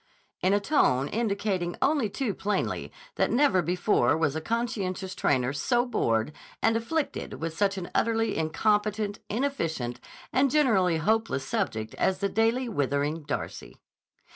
in a tone indicating only too plainly that never before was conscientious trainer so bored and afflicted with such an utterly incompetent, inefficient, and generally hopeless subject as the daily withering Darcy.